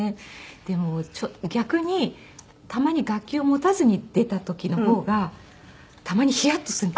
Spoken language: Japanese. でも逆にたまに楽器を持たずに出た時の方がたまにヒヤッとする。